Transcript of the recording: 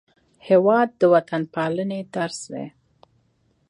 هېواد د وطنپالنې درس دی.